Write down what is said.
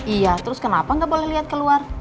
iya terus kenapa gak boleh liat keluar